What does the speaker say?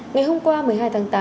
ngày hôm qua một mươi hai tháng tám